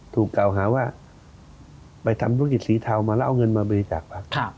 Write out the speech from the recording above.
ถูกกล่าวหาว่าไปทำธุรกิจสีเทามาแล้วเอาเงินมาบริจาคพัก